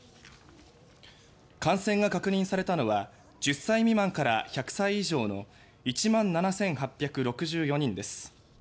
感染が確認されたのは１０歳未満から１００歳以上の１万７８６４人です。